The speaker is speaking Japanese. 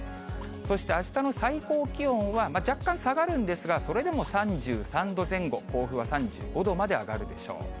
そしてあしたの最高気温は、若干下がるんですが、それでも３３度前後、甲府は３５度まで上がるでしょう。